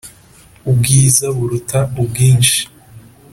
ubwiza buruta ubwinshi